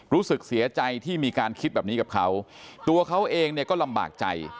รู้สึกเสียใจที่มีการคิดแบบนี้กับเขาตัวเขาเองเนี่ยก็ลำบากใจ